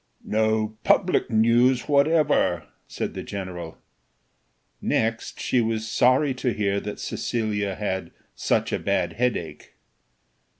"No public news whatever," said the general. Next, she was sorry to hear that Cecilia had "such a bad headache."